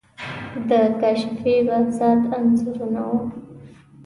د کاشفی، بهزاد انځورونه وو.